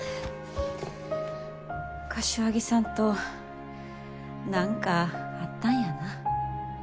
柏木さんと何かあったんやな。